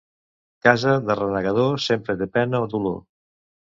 Casa de renegador, sempre té pena o dolor.